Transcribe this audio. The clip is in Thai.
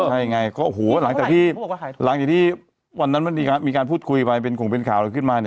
ใช่ไงหลังจากที่วันนั้นมีการพูดคุยไปเป็นขุมเป็นข่าวขึ้นมา